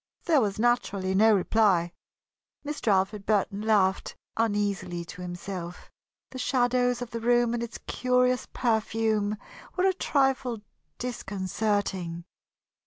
There was naturally no reply. Mr. Alfred Burton laughed uneasily to himself. The shadows of the room and its curious perfume were a trifle disconcerting.